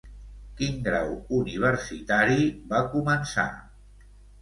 Quin grau universitari va començar?